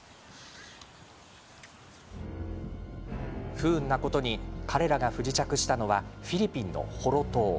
不運なことに彼らが不時着したのはフィリピンのホロ島。